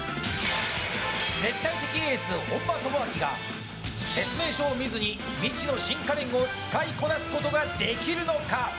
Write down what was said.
絶対的エース、本間朋晃が説明書を見ずに未知の新家電を使いこなすことができるのか。